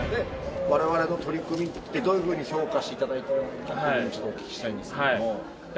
我々の取り組みってどういうふうに評価していただいているのかなって一度お聞きしたいんですけども。